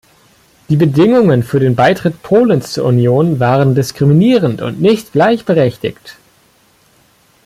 Die Bedingungen für den Beitritt Polens zur Union waren diskriminierend und nicht gleichberechtigt.